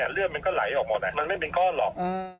เลือดมันก็ไหลออกหมดมันไม่เป็นก้อนหรอก